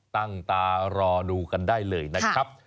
ตั้งตารอดูกันได้เลยนะครับ